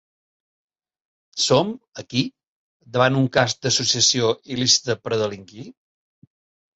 Som, aquí, davant un cas d’associació il·lícita per a delinquir?